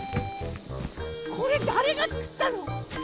これだれがつくったの？